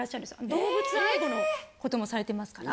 動物愛護のこともされてますから。